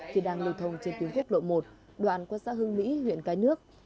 khi đang lưu thông trên tuyến quốc lộ một đoạn qua xã hương mỹ huyện cái nước